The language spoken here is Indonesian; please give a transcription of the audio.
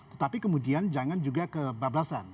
tetapi kemudian jangan juga kebablasan